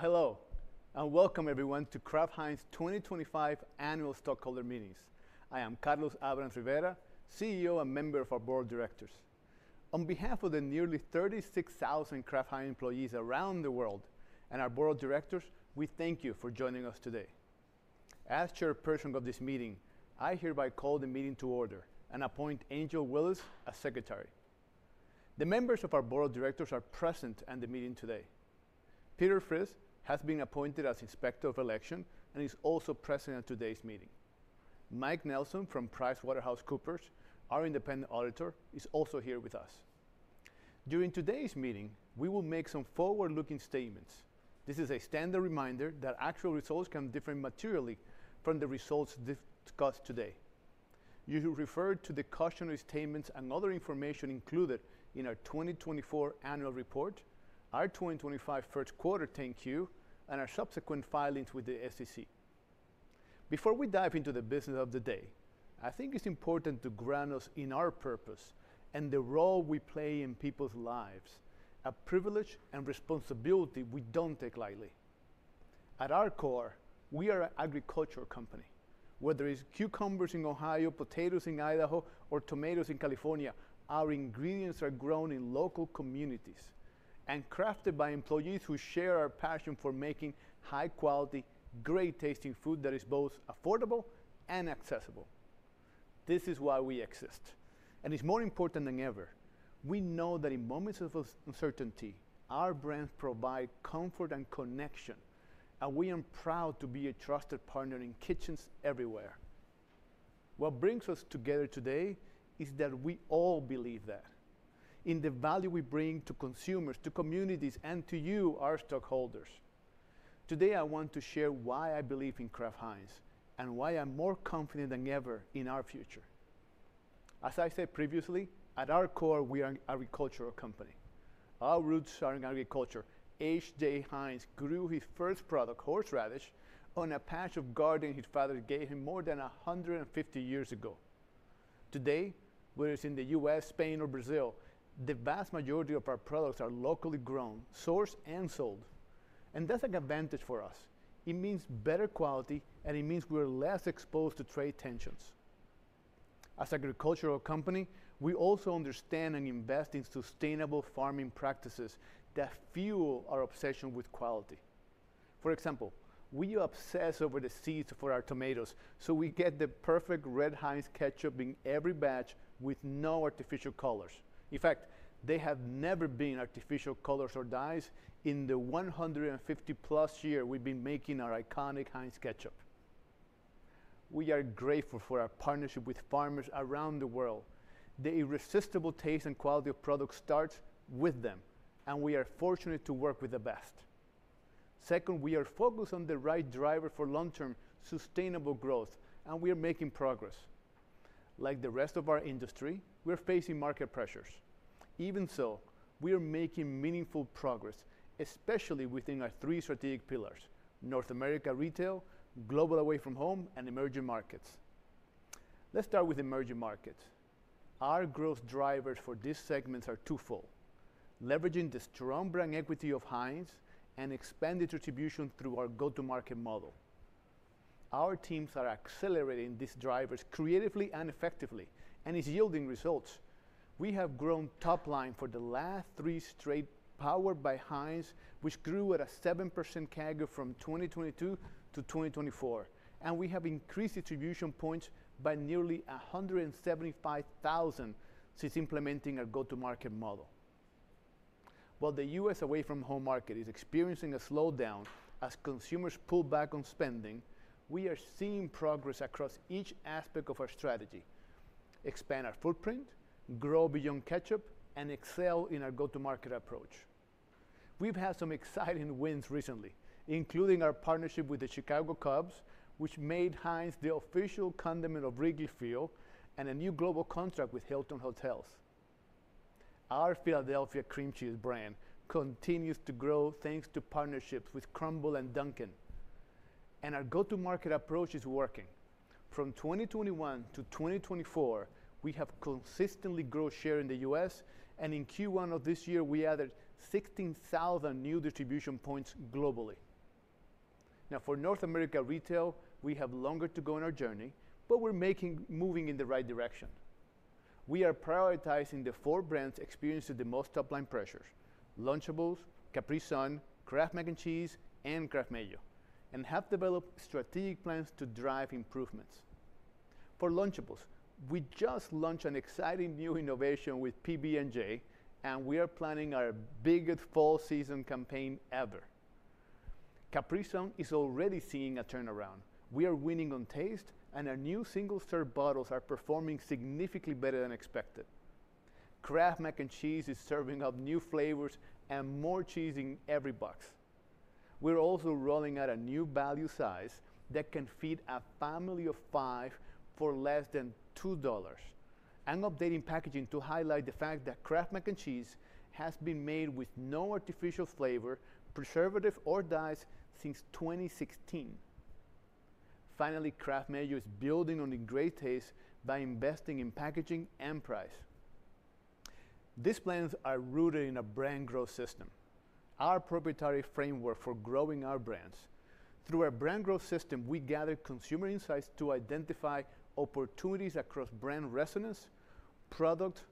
Hello, and welcome everyone to Kraft Heinz 2025 Annual Stockholder Meeting. I am Carlos Abrams-Rivera, CEO and member of our Board of Directors. On behalf of the nearly 36,000 Kraft Heinz employees around the world and our Board of Directors, we thank you for joining us today. As Chairperson of this meeting, I hereby call the meeting to order and appoint Angel Willis as Secretary. The members of our Board of Directors are present at the meeting today. Peter Fritz has been appointed as Inspector of Election and is also present at today's meeting. Mike Nelson from PricewaterhouseCoopers, our independent auditor, is also here with us. During today's meeting, we will make some forward-looking statements. This is a standard reminder that actual results can differ materially from the results discussed today. You should refer to the cautionary statements and other information included in our 2024 Annual Report, our 2025 First Quarter 10-Q, and our subsequent filings with the SEC. Before we dive into the business of the day, I think it's important to ground us in our purpose and the role we play in people's lives, a privilege and responsibility we don't take lightly. At our core, we are an agricultural company. Whether it's cucumbers in Ohio, potatoes in Idaho, or tomatoes in California, our ingredients are grown in local communities and crafted by employees who share our passion for making high-quality, great-tasting food that is both affordable and accessible. This is why we exist, and it's more important than ever. We know that in moments of uncertainty, our brands provide comfort and connection, and we are proud to be a trusted partner in kitchens everywhere. What brings us together today is that we all believe that, in the value we bring to consumers, to communities, and to you, our stockholders. Today, I want to share why I believe in Kraft Heinz and why I'm more confident than ever in our future. As I said previously, at our core, we are an agricultural company. Our roots are in agriculture. H.J. Heinz grew his first product, horseradish, on a patch of garden his father gave him more than 150 years ago. Today, whether it's in the U.S., Spain, or Brazil, the vast majority of our products are locally grown, sourced, and sold. And that's an advantage for us. It means better quality, and it means we're less exposed to trade tensions. As an agricultural company, we also understand and invest in sustainable farming practices that fuel our obsession with quality. For example, we are obsessed over the seeds for our tomatoes, so we get the perfect red Heinz Ketchup in every batch with no artificial colors. In fact, there have never been artificial colors or dyes in the 150-plus years we've been making our iconic Heinz Ketchup. We are grateful for our partnership with farmers around the world. The irresistible taste and quality of product starts with them, and we are fortunate to work with the best. Second, we are focused on the right driver for long-term sustainable growth, and we are making progress. Like the rest of our industry, we're facing market pressures. Even so, we are making meaningful progress, especially within our three strategic pillars: North America Retail, Global Away From Home, and Emerging Markets. Let's start with Emerging Markets. Our growth drivers for these segments are twofold: leveraging the strong brand equity of Heinz and expanded distribution through our go-to-market model. Our teams are accelerating these drivers creatively and effectively, and it's yielding results. We have grown top line for the last three straight. Powered by Heinz, we grew at a 7% CAGR from 2022 to 2024, and we have increased distribution points by nearly 175,000 since implementing our go-to-market model. While the U.S. away from home market is experiencing a slowdown as consumers pull back on spending, we are seeing progress across each aspect of our strategy: expand our footprint, grow beyond ketchup, and excel in our go-to-market approach. We've had some exciting wins recently, including our partnership with the Chicago Cubs, which made Heinz the official condiment of Wrigley Field, and a new global contract with Hilton Hotels. Our Philadelphia Cream Cheese brand continues to grow thanks to partnerships with Crumbl and Dunkin', and our go-to-market approach is working. From 2021 to 2024, we have consistently grown share in the U.S., and in Q1 of this year, we added 16,000 new distribution points globally. Now, for North America Retail, we have longer to go in our journey, but we're moving in the right direction. We are prioritizing the four brands experiencing the most top line pressures: Lunchables, Capri Sun, Kraft Mac & Cheese, and Kraft Mayo, and have developed strategic plans to drive improvements. For Lunchables, we just launched an exciting new innovation with PB&J, and we are planning our biggest fall season campaign ever. Capri Sun is already seeing a turnaround. We are winning on taste, and our new single-serve bottles are performing significantly better than expected. Kraft Mac & Cheese is serving up new flavors and more cheese in every box. We're also rolling out a new value size that can feed a family of five for less than $2. I'm updating packaging to highlight the fact that Kraft Mac & Cheese has been made with no artificial flavor, preservative, or dyes since 2016. Finally, Kraft Mayo is building on the great taste by investing in packaging and price. These plans are rooted in a Brand Growth System, our proprietary framework for growing our brands. Through our Brand Growth System, we gather consumer insights to identify opportunities across brand resonance, product,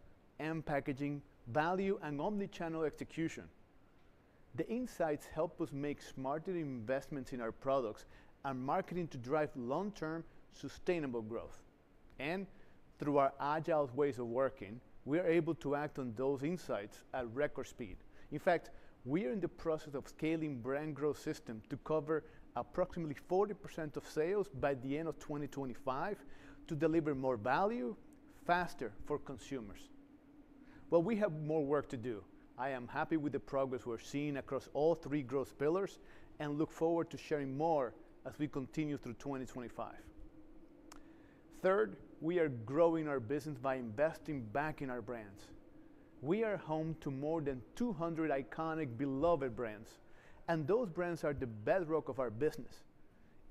and packaging value and omnichannel execution. The insights help us make smarter investments in our products and marketing to drive long-term sustainable growth. Through our agile ways of working, we are able to act on those insights at record speed. In fact, we are in the process of scaling the Brand Growth System to cover approximately 40% of sales by the end of 2025 to deliver more value faster for consumers. We have more work to do. I am happy with the progress we're seeing across all three growth pillars and look forward to sharing more as we continue through 2025. Third, we are growing our business by investing back in our brands. We are home to more than 200 iconic, beloved brands, and those brands are the bedrock of our business.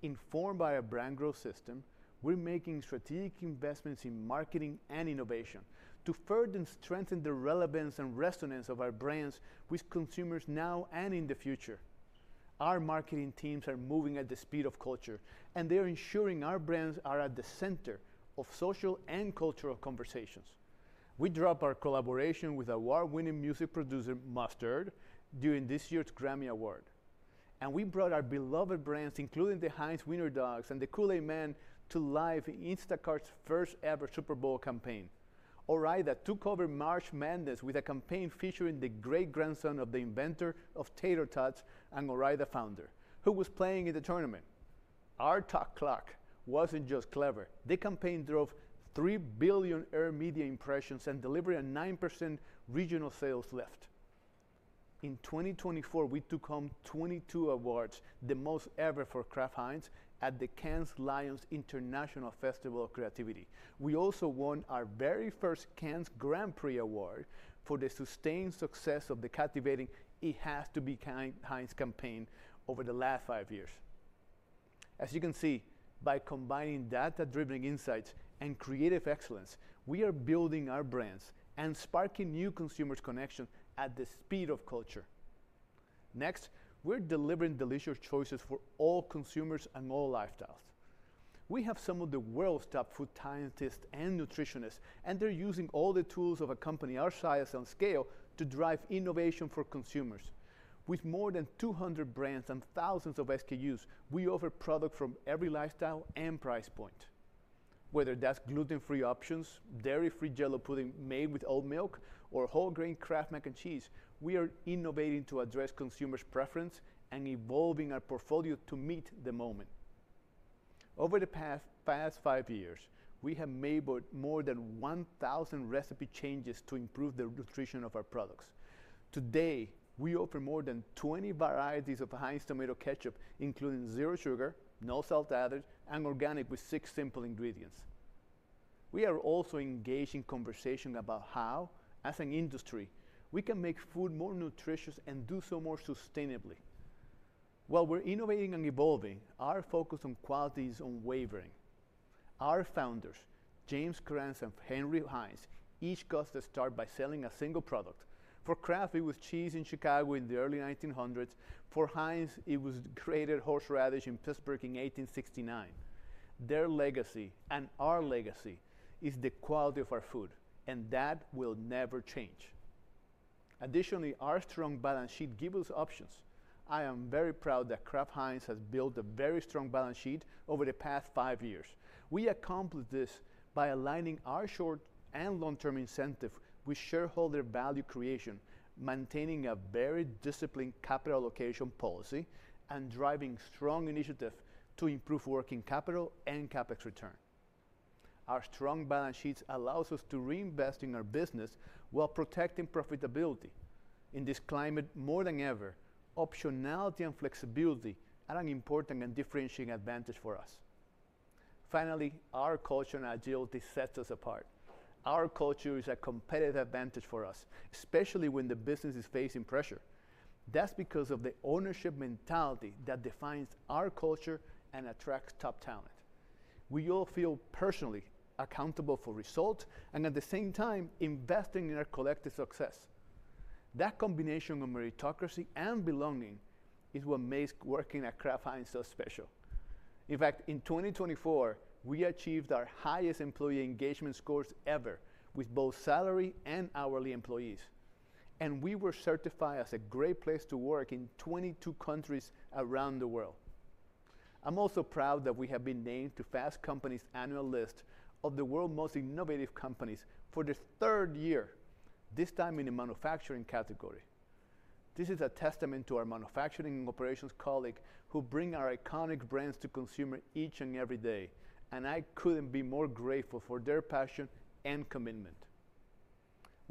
Informed by our Brand Growth System, we're making strategic investments in marketing and innovation to further strengthen the relevance and resonance of our brands with consumers now and in the future. Our marketing teams are moving at the speed of culture, and they are ensuring our brands are at the center of social and cultural conversations. We dropped our collaboration with award-winning music producer Mustard during this year's Grammy Award, and we brought our beloved brands, including the Heinz Wiener Dogs and the Kool-Aid Man, to life in Instacart's first-ever Super Bowl campaign. Ore-Ida, that took over March Madness with a campaign featuring the great-grandson of the inventor of tater tots and Ore-Ida founder, who was playing in the tournament. Our Tater Clock wasn't just clever. The campaign drove 3 billion earned media impressions and delivered a 9% regional sales lift. In 2024, we took home 22 awards, the most ever for Kraft Heinz, at the Cannes Lions International Festival of Creativity. We also won our very first Cannes Grand Prix award for the sustained success of the captivating "It Has to Be Heinz" campaign over the last five years. As you can see, by combining data-driven insights and creative excellence, we are building our brands and sparking new consumers' connections at the speed of culture. Next, we're delivering delicious choices for all consumers and all lifestyles. We have some of the world's top food scientists and nutritionists, and they're using all the tools of a company our size and scale to drive innovation for consumers. With more than 200 brands and thousands of SKUs, we offer products from every lifestyle and price point. Whether that's gluten-free options, dairy-free Jell-O pudding made with oat milk, or whole-grain Kraft Mac & Cheese, we are innovating to address consumers' preferences and evolving our portfolio to meet the moment. Over the past five years, we have labored more than 1,000 recipe changes to improve the nutrition of our products. Today, we offer more than 20 varieties of Heinz tomato ketchup, including zero sugar, no salt added, and organic with six simple ingredients. We are also engaging in conversation about how, as an industry, we can make food more nutritious and do so more sustainably. While we're innovating and evolving, our focus on quality is unwavering. Our founders, James Kraft and Henry Heinz, each got their start by selling a single product. For Kraft, it was cheese in Chicago in the early 1900s. For Heinz, it was grated horseradish in Pittsburgh in 1869. Their legacy, and our legacy, is the quality of our food, and that will never change. Additionally, our strong balance sheet gives us options. I am very proud that Kraft Heinz has built a very strong balance sheet over the past five years. We accomplished this by aligning our short and long-term incentive with shareholder value creation, maintaining a very disciplined capital allocation policy, and driving strong initiatives to improve working capital and CapEx return. Our strong balance sheet allows us to reinvest in our business while protecting profitability. In this climate, more than ever, optionality and flexibility are an important and differentiating advantage for us. Finally, our culture and agility set us apart. Our culture is a competitive advantage for us, especially when the business is facing pressure. That's because of the ownership mentality that defines our culture and attracts top talent. We all feel personally accountable for results and, at the same time, investing in our collective success. That combination of meritocracy and belonging is what makes working at Kraft Heinz so special. In fact, in 2024, we achieved our highest employee engagement scores ever with both salary and hourly employees, and we were certified as a great place to work in 22 countries around the world. I'm also proud that we have been named to Fast Company's annual list of the world's most innovative companies for the third year, this time in the manufacturing category. This is a testament to our manufacturing and operations colleagues who bring our iconic brands to consumers each and every day, and I couldn't be more grateful for their passion and commitment.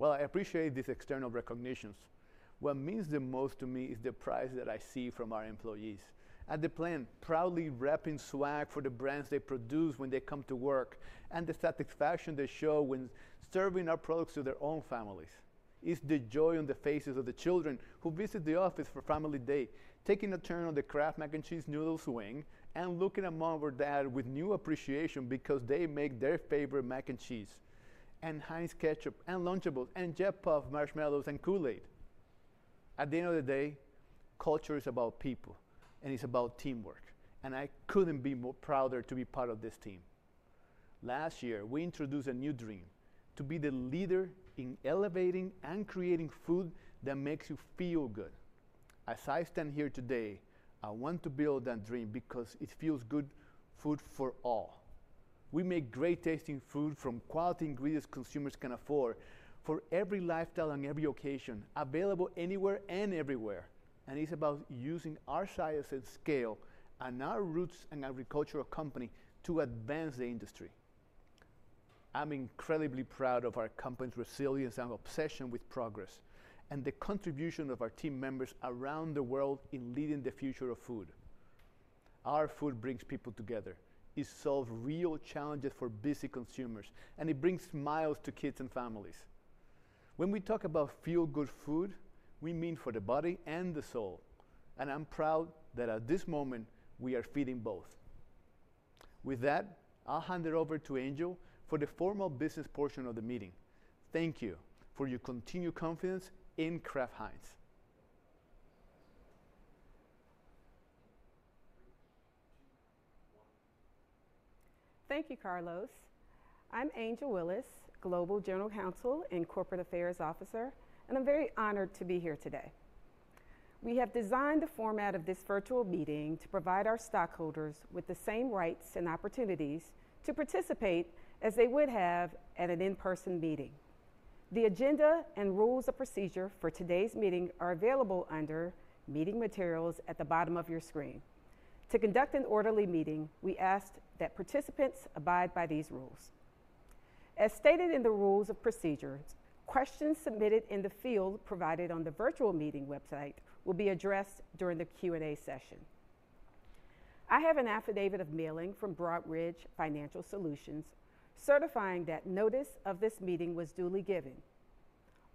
I appreciate these external recognitions. What means the most to me is the pride that I see from our employees at the plant, proudly wrapping swag for the brands they produce when they come to work and the satisfaction they show when serving our products to their own families. It's the joy on the faces of the children who visit the office for Family Day, taking a turn on the Kraft Mac & Cheese noodle swing and looking at mom or dad with new appreciation because they make their favorite mac and cheese, and Heinz Ketchup, and Lunchables, and Jet-Puffed marshmallows, and Kool-Aid. At the end of the day, culture is about people, and it's about teamwork, and I couldn't be prouder to be part of this team. Last year, we introduced a new dream: to be the leader in elevating and creating food that makes you feel good. As I stand here today, I want to build that dream because it feels good food for all. We make great-tasting food from quality ingredients consumers can afford for every lifestyle and every occasion, available anywhere and everywhere, and it's about using our size and scale and our roots in agriculture company to advance the industry. I'm incredibly proud of our company's resilience and obsession with progress and the contribution of our team members around the world in leading the future of food. Our food brings people together, it solves real challenges for busy consumers, and it brings smiles to kids and families. When we talk about feel-good food, we mean for the body and the soul, and I'm proud that at this moment, we are feeding both. With that, I'll hand it over to Angel for the formal business portion of the meeting. Thank you for your continued confidence in Kraft Heinz. Thank you, Carlos. I'm Angel Willis, Global General Counsel and Corporate Affairs Officer, and I'm very honored to be here today. We have designed the format of this virtual meeting to provide our stockholders with the same rights and opportunities to participate as they would have at an in-person meeting. The agenda and rules of procedure for today's meeting are available under Meeting Materials at the bottom of your screen. To conduct an orderly meeting, we ask that participants abide by these rules. As stated in the rules of procedure, questions submitted in the field provided on the virtual meeting website will be addressed during the Q&A session. I have an affidavit of mailing from Broadridge Financial Solutions certifying that notice of this meeting was duly given.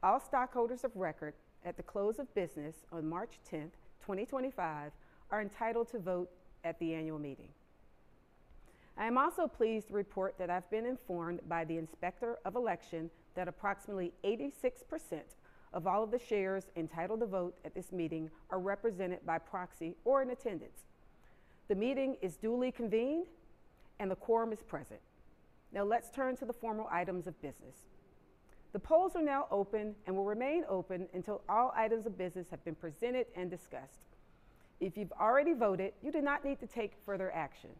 All stockholders of record at the close of business on March 10th, 2025, are entitled to vote at the annual meeting. I am also pleased to report that I've been informed by the inspector of election that approximately 86% of all of the shares entitled to vote at this meeting are represented by proxy or in attendance. The meeting is duly convened, and the quorum is present. Now, let's turn to the formal items of business. The polls are now open and will remain open until all items of business have been presented and discussed. If you've already voted, you do not need to take further action.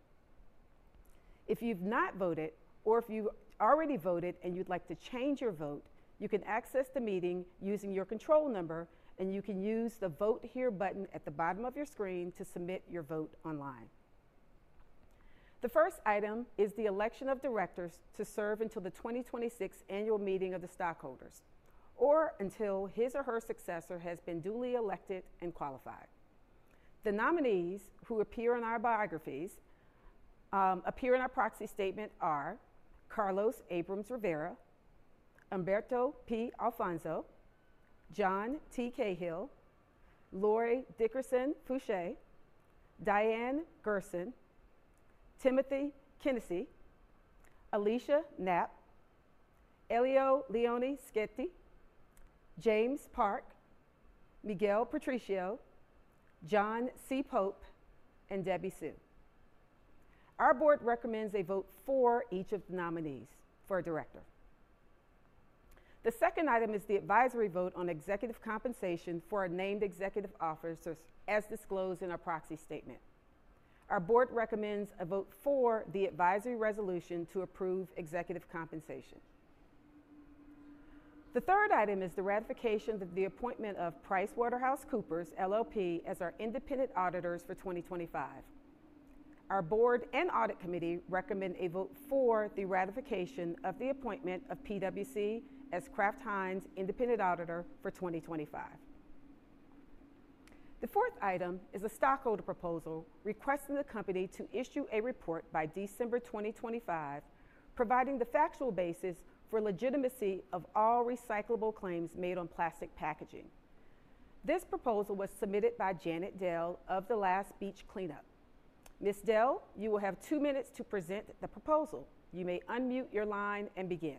If you've not voted, or if you already voted and you'd like to change your vote, you can access the meeting using your control number, and you can use the Vote Here button at the bottom of your screen to submit your vote online. The first item is the election of directors to serve until the 2026 annual meeting of the stockholders or until his or her successor has been duly elected and qualified. The nominees who appear in our biographies appear in our proxy statement are Carlos Abrams-Rivera, Humberto P. Alfonso, John T. Cahill, Lori Dickerson Fouché, Diane Gherson, Timothy Kenesey, Alicia Knapp, Elio Leoni Sceti, James Park, Miguel Patricio, John C. Pope, and Debbie Soo. Our board recommends a vote for each of the nominees for a director. The second item is the advisory vote on executive compensation for our named executive officers as disclosed in our proxy statement. Our board recommends a vote for the advisory resolution to approve executive compensation. The third item is the ratification of the appointment of PricewaterhouseCoopers LLP as our independent auditors for 2025. Our Board and Audit Committee recommend a vote for the ratification of the appointment of PwC as Kraft Heinz independent auditor for 2025. The fourth item is a stockholder proposal requesting the company to issue a report by December 2025 providing the factual basis for legitimacy of all recyclable claims made on plastic packaging. This proposal was submitted by Jan Dell of The Last Beach Cleanup. Ms. Dell, you will have two minutes to present the proposal. You may unmute your line and begin.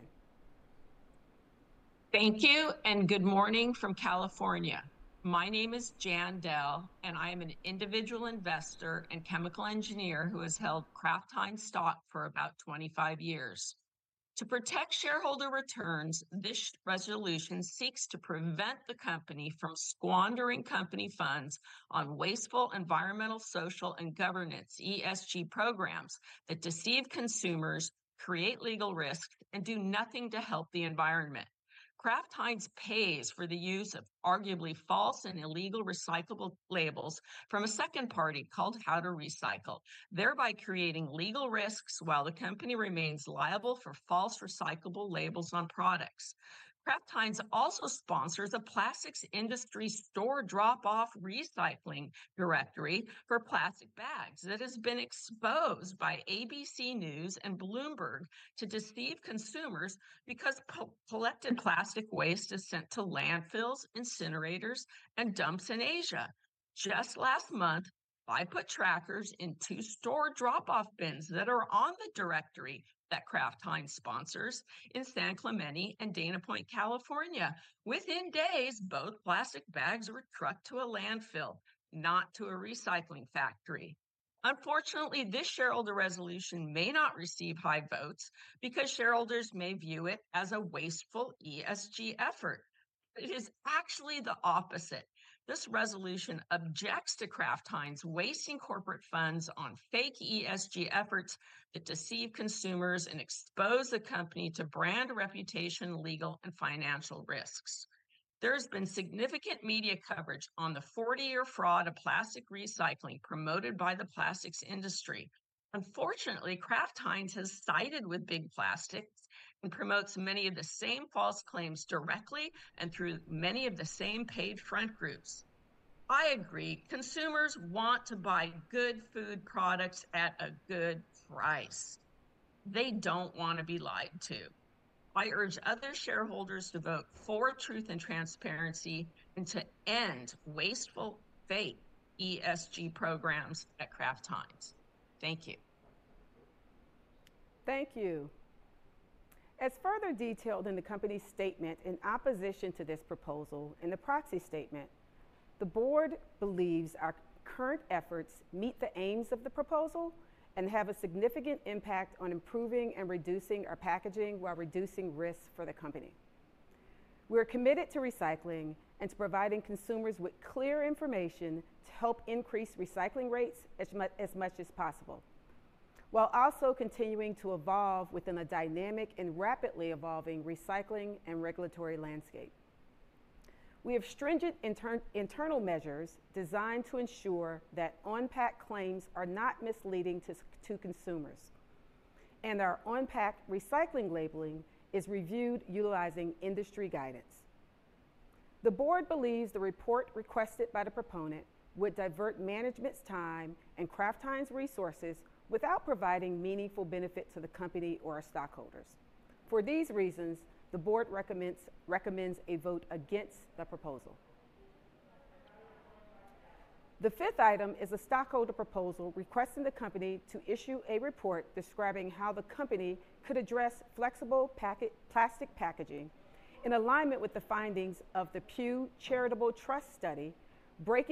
Thank you, and good morning from California. My name is Jan Dell, and I am an individual investor and chemical engineer who has held Kraft Heinz stock for about 25 years. To protect shareholder returns, this resolution seeks to prevent the company from squandering company funds on wasteful environmental, social, and governance (ESG) programs that deceive consumers, create legal risks, and do nothing to help the environment. Kraft Heinz pays for the use of arguably false and illegal recyclable labels from a second party called How2Recycle, thereby creating legal risks while the company remains liable for false recyclable labels on products. Kraft Heinz also sponsors a plastics industry store drop-off recycling directory for plastic bags that has been exposed by ABC News and Bloomberg to deceive consumers because collected plastic waste is sent to landfills, incinerators, and dumps in Asia. Just last month, I put trackers in two store drop-off bins that are on the directory that Kraft Heinz sponsors in San Clemente and Dana Point, California. Within days, both plastic bags were trucked to a landfill, not to a recycling factory. Unfortunately, this shareholder resolution may not receive high votes because shareholders may view it as a wasteful ESG effort. It is actually the opposite. This resolution objects to Kraft Heinz wasting corporate funds on fake ESG efforts that deceive consumers and expose the company to brand reputation, legal, and financial risks. There has been significant media coverage on the 40-year fraud of plastic recycling promoted by the plastics industry. Unfortunately, Kraft Heinz has sided with big plastics and promotes many of the same false claims directly and through many of the same paid front groups. I agree consumers want to buy good food products at a good price. They don't want to be lied to. I urge other shareholders to vote for truth and transparency and to end wasteful, fake ESG programs at Kraft Heinz. Thank you. Thank you. As further detailed in the company's statement in opposition to this proposal in the Proxy Statement, the board believes our current efforts meet the aims of the proposal and have a significant impact on improving and reducing our packaging while reducing risks for the company. We are committed to recycling and to providing consumers with clear information to help increase recycling rates as much as possible while also continuing to evolve within a dynamic and rapidly evolving recycling and regulatory landscape. We have stringent internal measures designed to ensure that on-pack claims are not misleading to consumers, and our on-pack recycling labeling is reviewed utilizing industry guidance. The board believes the report requested by the proponent would divert management's time and Kraft Heinz resources without providing meaningful benefit to the company or our stockholders. For these reasons, the board recommends a vote against the proposal. The fifth item is a stockholder proposal requesting the company to issue a report describing how the company could address flexible plastic packaging in alignment with the findings of The Pew Charitable Trusts study Breaking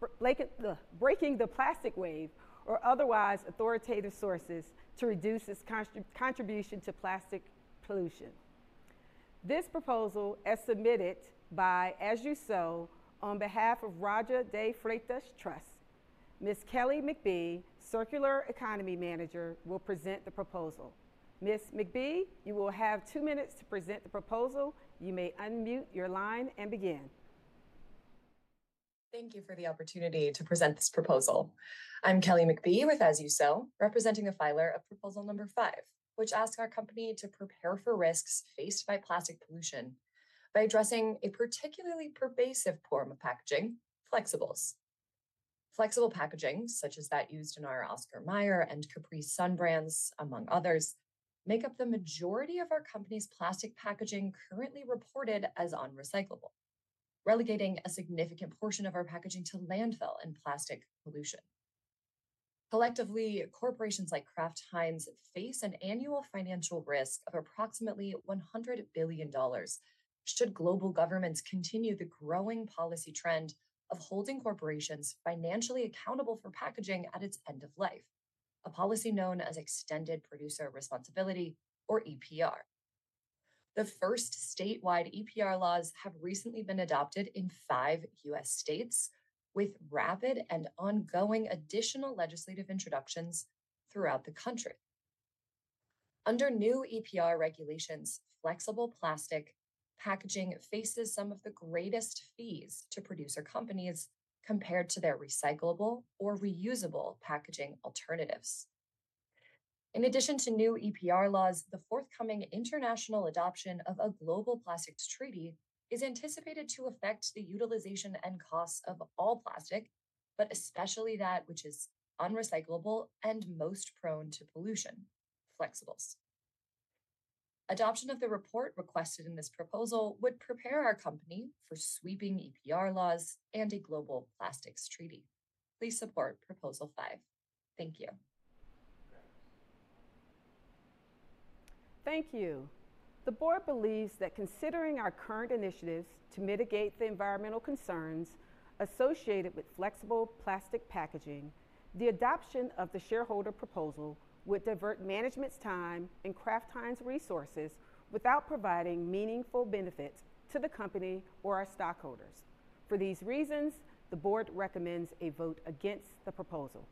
the Plastic Wave or otherwise authoritative sources to reduce its contribution to plastic pollution. This proposal is submitted by As You Sow on behalf of Rodger DeFreitas Trust. Ms. Kelly McBee, Circular Economy Manager, will present the proposal. Ms. McBee, you will have two minutes to present the proposal. You may unmute your line and begin. Thank you for the opportunity to present this proposal. I'm Kelly McBee with As You Sow, representing the filer of proposal number five, which asks our company to prepare for risks faced by plastic pollution by addressing a particularly pervasive form of packaging, flexibles. Flexible packaging, such as that used in our Oscar Mayer and Capri Sun brands, among others, makes up the majority of our company's plastic packaging currently reported as unrecyclable, relegating a significant portion of our packaging to landfill and plastic pollution. Collectively, corporations like Kraft Heinz face an annual financial risk of approximately $100 billion should global governments continue the growing policy trend of holding corporations financially accountable for packaging at its end of life, a policy known as extended producer responsibility, or EPR. The first statewide EPR laws have recently been adopted in five U.S. states, with rapid and ongoing additional legislative introductions throughout the country. Under new EPR regulations, flexible plastic packaging faces some of the greatest fees to producer companies compared to their recyclable or reusable packaging alternatives. In addition to new EPR laws, the forthcoming international adoption of a global plastics treaty is anticipated to affect the utilization and costs of all plastic, but especially that which is unrecyclable and most prone to pollution, flexibles. Adoption of the report requested in this proposal would prepare our company for sweeping EPR laws and a global plastics treaty. Please support proposal five. Thank you. Thank you. The board believes that considering our current initiatives to mitigate the environmental concerns associated with flexible plastic packaging, the adoption of the shareholder proposal would divert management's time and Kraft Heinz resources without providing meaningful benefits to the company or our stockholders. For these reasons, the board recommends a vote against the proposal.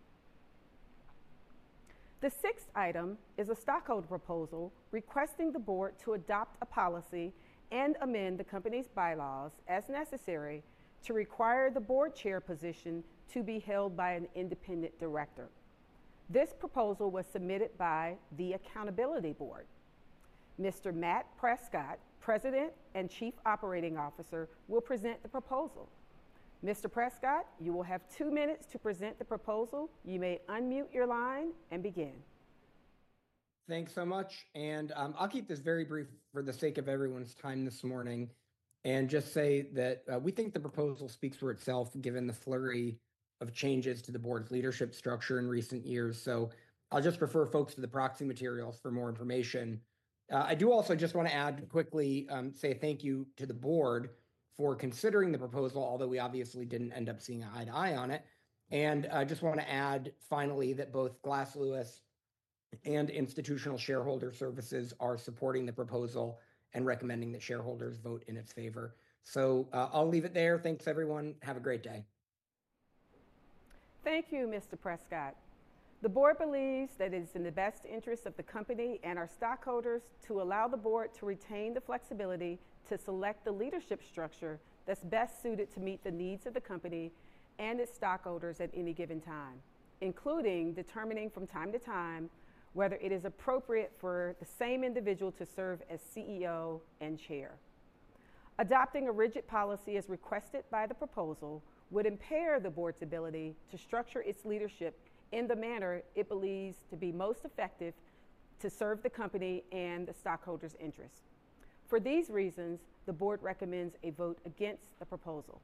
The sixth item is a stockholder proposal requesting the board to adopt a policy and amend the company's bylaws as necessary to require the board chair position to be held by an independent director. This proposal was submitted by The Accountability Board. Mr. Matt Prescott, President and Chief Operating Officer, will present the proposal. Mr. Prescott, you will have two minutes to present the proposal. You may unmute your line and begin. Thanks so much. And I'll keep this very brief for the sake of everyone's time this morning and just say that we think the proposal speaks for itself given the flurry of changes to the board's leadership structure in recent years. So I'll just refer folks to the proxy materials for more information. I do also just want to add quickly, say thank you to the board for considering the proposal, although we obviously didn't end up seeing eye to eye on it. And I just want to add finally that both Glass Lewis and Institutional Shareholder Services are supporting the proposal and recommending that shareholders vote in its favor. So I'll leave it there. Thanks, everyone. Have a great day. Thank you, Mr. Prescott. The board believes that it is in the best interest of the company and our stockholders to allow the board to retain the flexibility to select the leadership structure that's best suited to meet the needs of the company and its stockholders at any given time, including determining from time to time whether it is appropriate for the same individual to serve as CEO and chair. Adopting a rigid policy as requested by the proposal would impair the Board's ability to structure its leadership in the manner it believes to be most effective to serve the company and the stockholders' interests. For these reasons, the Board recommends a vote against the proposal.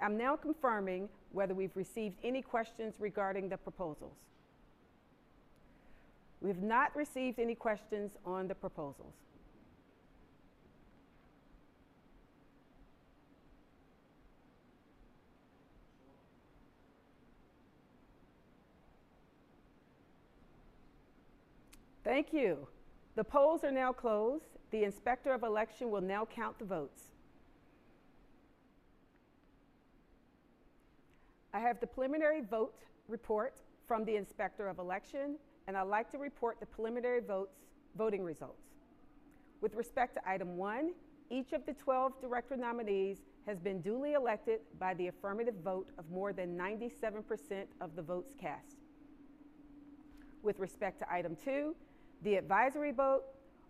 I'm now confirming whether we've received any questions regarding the proposals. We have not received any questions on the proposals. Thank you. The polls are now closed. The Inspector of Election will now count the votes. I have the preliminary vote report from the Inspector of Election, and I'd like to report the preliminary voting results. With respect to item one, each of the 12 director nominees has been duly elected by the affirmative vote of more than 97% of the votes cast. With respect to item two, the advisory vote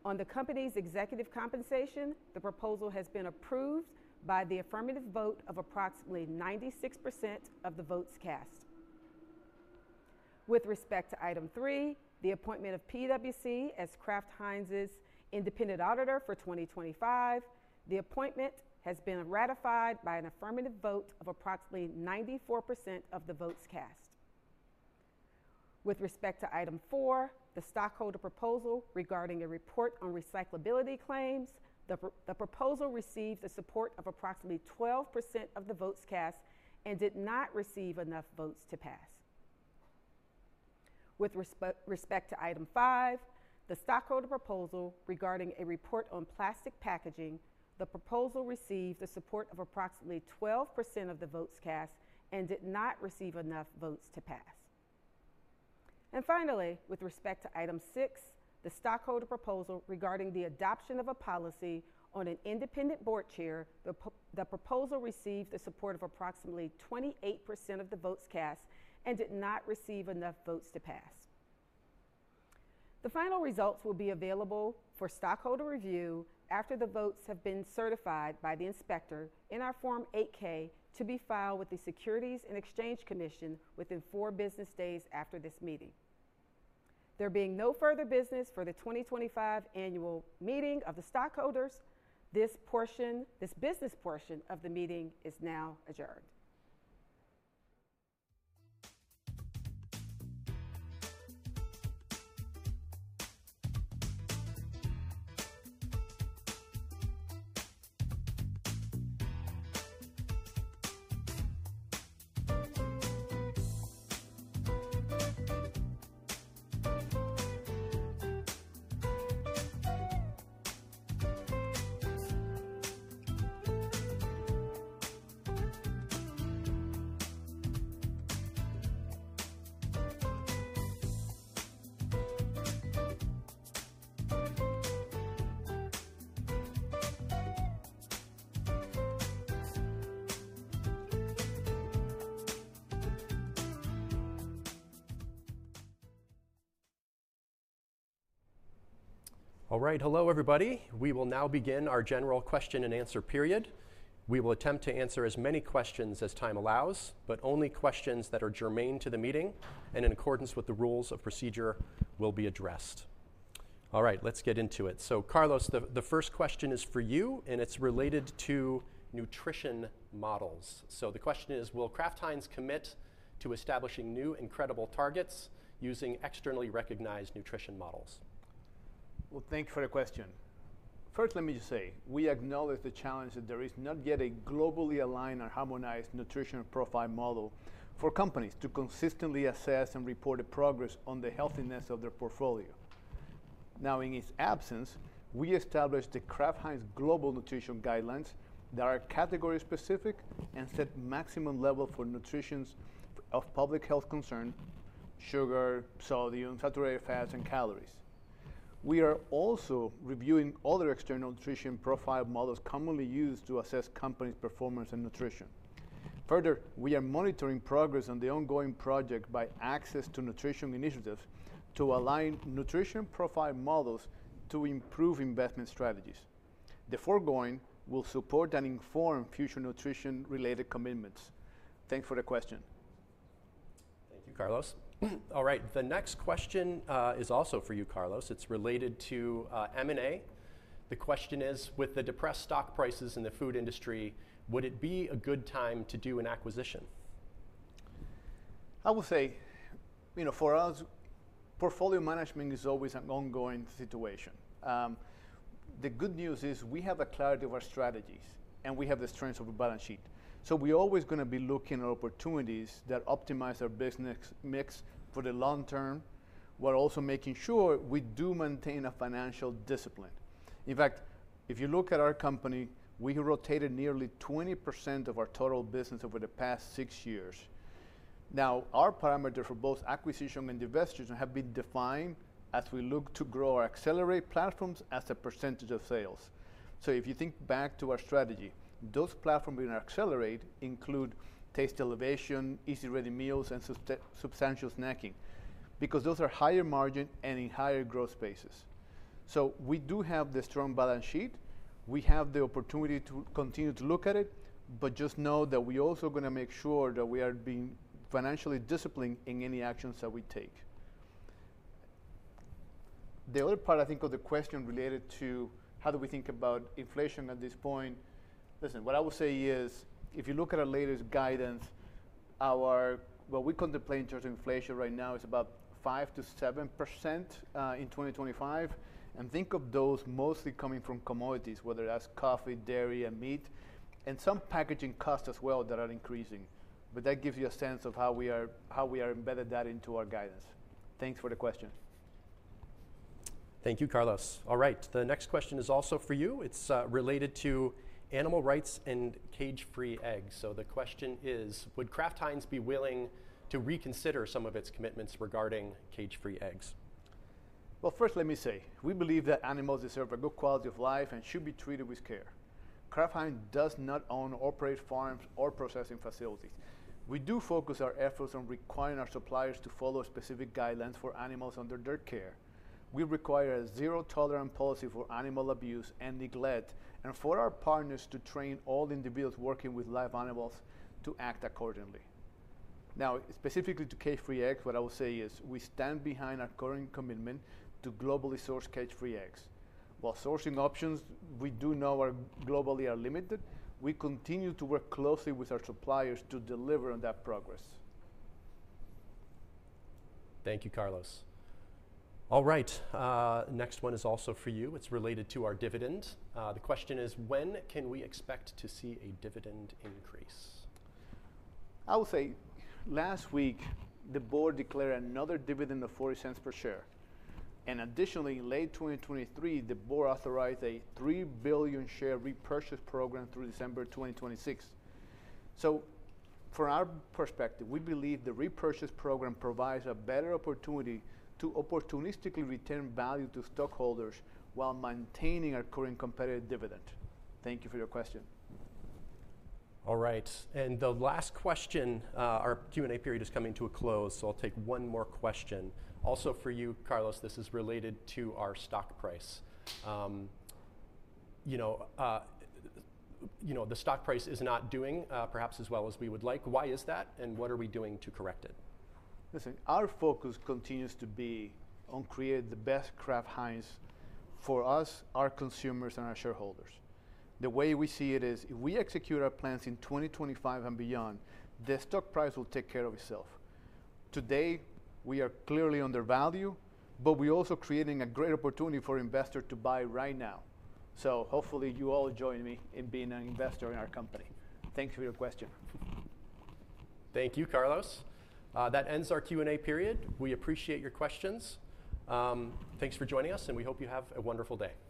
on the company's executive compensation, the proposal has been approved by the affirmative vote of approximately 96% of the votes cast. With respect to item three, the appointment of PwC as Kraft Heinz's independent auditor for 2025, the appointment has been ratified by an affirmative vote of approximately 94% of the votes cast. With respect to item four, the stockholder proposal regarding a report on recyclability claims, the proposal received the support of approximately 12% of the votes cast and did not receive enough votes to pass. With respect to item five, the stockholder proposal regarding a report on plastic packaging, the proposal received the support of approximately 12% of the votes cast and did not receive enough votes to pass. And finally, with respect to item six, the stockholder proposal regarding the adoption of a policy on an independent board chair, the proposal received the support of approximately 28% of the votes cast and did not receive enough votes to pass. The final results will be available for stockholder review after the votes have been certified by the inspector in our Form 8-K to be filed with the Securities and Exchange Commission within four business days after this meeting. There being no further business for the 2025 annual meeting of the stockholders, this business portion of the meeting is now adjourned. All right. Hello, everybody. We will now begin our general question and answer period. We will attempt to answer as many questions as time allows, but only questions that are germane to the meeting and in accordance with the rules of procedure will be addressed. All right, let's get into it. So Carlos, the first question is for you, and it's related to nutrition models. So the question is, will Kraft Heinz commit to establishing new incredible targets using externally recognized nutrition models? Well, thank you for the question. First, let me just say, we acknowledge the challenge that there is not yet a globally aligned or harmonized nutrition profile model for companies to consistently assess and report the progress on the healthiness of their portfolio. Now, in its absence, we established the Kraft Heinz Global Nutrition Guidelines that are category-specific and set maximum levels for nutrients of public health concern: sugar, sodium, saturated fats, and calories. We are also reviewing other external nutrition profile models commonly used to assess companies' performance and nutrition. Further, we are monitoring progress on the ongoing project by Access to Nutrition Initiative to align nutrition profile models to improve investment strategies. The foregoing will support and inform future nutrition-related commitments. Thanks for the question. Thank you, Carlos. All right, the next question is also for you, Carlos. It's related to M&A. The question is, with the depressed stock prices in the food industry, would it be a good time to do an acquisition? I would say, you know, for us, portfolio management is always an ongoing situation. The good news is we have a clarity of our strategies and we have the strengths of a balance sheet. So we're always going to be looking at opportunities that optimize our business mix for the long term, while also making sure we do maintain a financial discipline. In fact, if you look at our company, we rotated nearly 20% of our total business over the past six years. Now, our parameters for both acquisition and divestiture have been defined as we look to grow or accelerate platforms as a percentage of sales. So if you think back to our strategy, those platforms we're going to accelerate include Taste Elevation, Easy-Ready Meals, and Substantial Snacking because those are higher margin and in higher growth spaces. So we do have the strong balance sheet. We have the opportunity to continue to look at it, but just know that we're also going to make sure that we are being financially disciplined in any actions that we take. The other part, I think, of the question related to how do we think about inflation at this point, listen, what I would say is if you look at our latest guidance, what we contemplate in terms of inflation right now is about 5%-7% in 2025, and think of those mostly coming from commodities, whether that's coffee, dairy, and meat, and some packaging costs as well that are increasing, but that gives you a sense of how we are embedded that into our guidance. Thanks for the question. Thank you, Carlos. All right, the next question is also for you. It's related to animal rights and cage-free eggs, so the question is, would Kraft Heinz be willing to reconsider some of its commitments regarding cage-free eggs? Well, first, let me say, we believe that animals deserve a good quality of life and should be treated with care. Kraft Heinz does not own or operate farms or processing facilities. We do focus our efforts on requiring our suppliers to follow specific guidelines for animals under their care. We require a zero-tolerance policy for animal abuse and neglect and for our partners to train all individuals working with live animals to act accordingly. Now, specifically to cage-free eggs, what I would say is we stand behind our current commitment to globally source cage-free eggs. While sourcing options, we do know are globally limited, we continue to work closely with our suppliers to deliver on that progress. Thank you, Carlos. All right, next one is also for you. It's related to our dividend. The question is, when can we expect to see a dividend increase? I would say last week, the board declared another dividend of $0.40 per share. And additionally, in late 2023, the board authorized a $3 billion share repurchase program through December 2026. So from our perspective, we believe the repurchase program provides a better opportunity to opportunistically return value to stockholders while maintaining our current competitive dividend. Thank you for your question. All right, and the last question, our Q&A period is coming to a close, so I'll take one more question. Also for you, Carlos, this is related to our stock price. You know, the stock price is not doing perhaps as well as we would like. Why is that, and what are we doing to correct it? Listen, our focus continues to be on creating the best Kraft Heinz for us, our consumers, and our shareholders. The way we see it is if we execute our plans in 2025 and beyond, the stock price will take care of itself. Today, we are clearly undervalued, but we're also creating a great opportunity for investors to buy right now. So hopefully you all join me in being an investor in our company. Thank you for your question. Thank you, Carlos. That ends our Q&A period. We appreciate your questions. Thanks for joining us, and we hope you have a wonderful day.